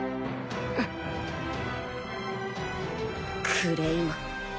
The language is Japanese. クレイマン